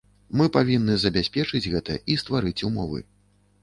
Мы павінны забяспечыць гэта і стварыць умовы.